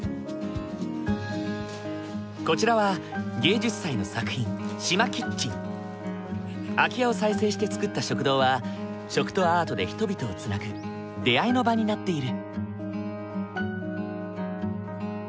こちらは芸術祭の作品空き家を再生して作った食堂は食とアートで人々をつなぐ出会いの場になっている。